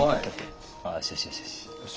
あよしよしよしよし。